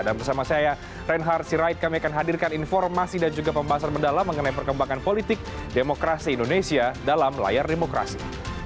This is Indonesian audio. dan bersama saya reinhard sirait kami akan hadirkan informasi dan juga pembahasan mendalam mengenai perkembangan politik demokrasi indonesia dalam layar demokrasi